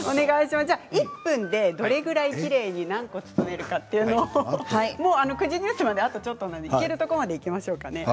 １分でどれくらいきれいに何個包めるのかというのを９時ニュースまであとちょっとなので、いけるところまでいきましょうか。